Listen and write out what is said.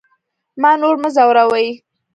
ما نور مه ځوروئ